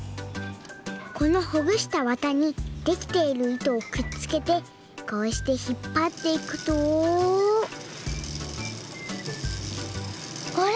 このほぐしたわたにできているいとをくっつけてこうしてひっぱっていくとあれ？